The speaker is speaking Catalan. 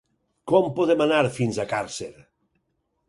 Com podem anar fins a Càrcer?